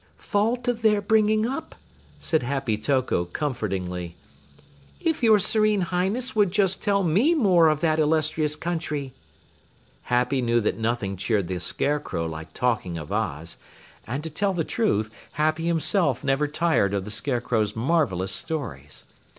"Fault of their bringing up," said Happy Toko comfortingly. "If your serene Highness would just tell me more of that illustrious country!" Happy knew that nothing cheered the Scarecrow like talking of Oz, and to tell the truth Happy himself never tired of the Scarecrow's marvelous stories.